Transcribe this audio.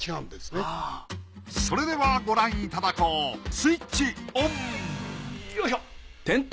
それではご覧いただこうスイッチオンよいしょ。